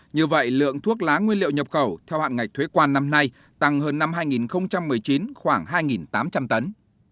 như vậy lượng thuốc lá nguyên liệu nhập khẩu theo hạn ngạch thuế quan năm nay tăng hơn năm hai nghìn một mươi chín khoảng hai tám trăm linh tấn